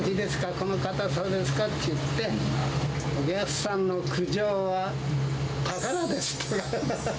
この硬さですかって言って、お客さんの苦情は宝です。